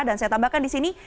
dan saya tambahkan di sini